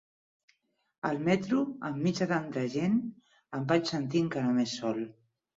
Al metro, enmig de tanta gent, em vaig sentir encara més sol.